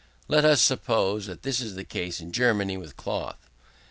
Let us suppose that this is the case in Germany with cloth.